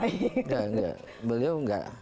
nggak beliau nggak